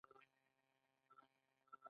هغه د سفر پر څنډه ساکت ولاړ او فکر وکړ.